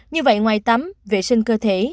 như vậy ngoài tắm vệ sinh cơ thể